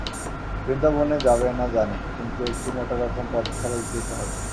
বৃন্দাবনে যাবে না জানি, কিন্তু একটু মোটারকম পথখরচ দিতে হবে।